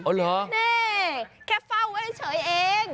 อ๋อเหรอแค่เฝ้าไว้เฉยเอง